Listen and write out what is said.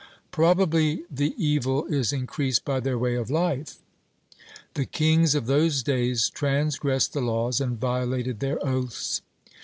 'Probably the evil is increased by their way of life.' The kings of those days transgressed the laws and violated their oaths.